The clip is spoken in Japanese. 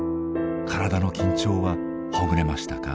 体の緊張はほぐれましたか？